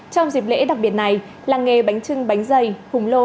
trong dịp lễ đặc biệt này làng nghề bánh trưng bánh dày hùng lô